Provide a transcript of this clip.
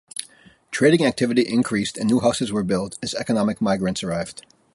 Trading activity increased and new houses were built as economic migrants arrived.